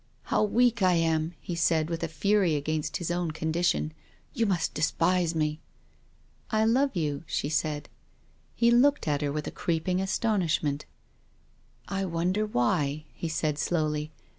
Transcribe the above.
" How weak 1 am," he said, with a fury against his own condition, "you must despise me." " I love you," she said. He looked at her with a creeping astonish ment. " I wonder why," he said, slowly.